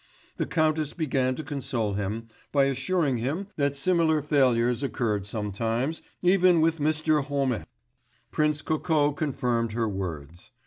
The countess began to console him, by assuring him that similar failures occurred sometimes even with Mr. Home.... Prince Kokó confirmed her words.